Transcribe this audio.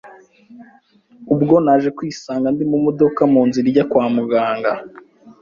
ubwo naje kwisanga ndi mu modoka mu nzira ijya kwa muganga